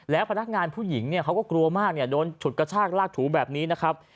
แล้วพนักงานผู้หญิงเนี่ยเขาก็กลัวมากโดนฉุดกระชากลากถูแบบนี้นะครับ